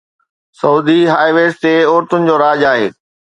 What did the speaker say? Saudi highways تي عورتن جو راڄ آهي